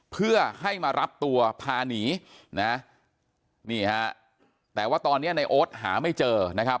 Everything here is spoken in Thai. เพื่อให้มารับตัวพาหนีนะนี่ฮะแต่ว่าตอนนี้ในโอ๊ตหาไม่เจอนะครับ